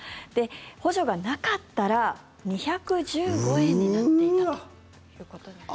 補助がなかったら２１５円になっていたということなんです。